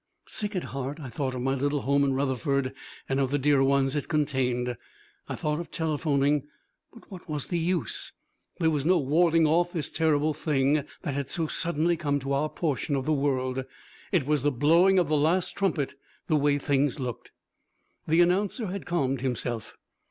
Sick at heart, I thought of my little home in Rutherford and of the dear ones it contained. I thought of telephoning, but, what was the use? There was no warding off of this terrible thing that had so suddenly come to our portion of the world. It was the blowing of the last trumpet, the way things looked. The announcer had calmed himself.